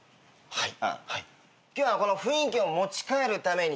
はい。